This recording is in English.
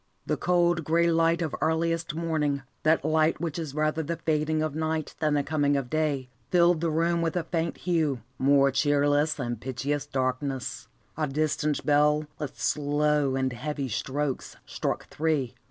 The cold, grey light of earliest morning, that light which is rather the fading of night than the coming of day, filled the room with a faint hue, more cheerless than pitchiest darkness. A distant bell, with slow and heavy strokes, struck three.